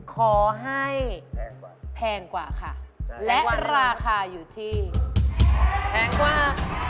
ขอให้แพงกว่าค่ะและราคาอยู่ที่แพงกว่า